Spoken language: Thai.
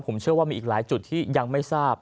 ผมเชื่อว่ามีอีกหลายจุดที่ยังไม่ทราบ